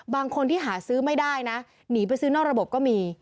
บางคนที่หาซื้อไม่ได้นะหนีไปซื้อนอกระบบก็มี